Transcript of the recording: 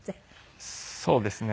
そうですね。